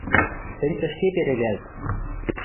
Тӹнь ӹшке перегӓлт!